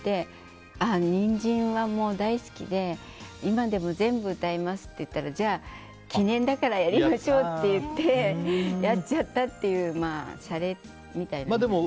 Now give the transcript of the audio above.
「にんじん」は大好きで今でも全部歌えますって言ったらじゃあ、記念だからやりましょうって言ってやっちゃったっていうシャレみたいな。